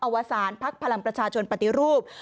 วสารพักพลังประชาชนปฏิรูป